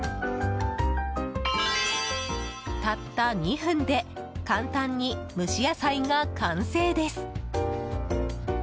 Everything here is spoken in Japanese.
たった２分で簡単に蒸し野菜が完成です。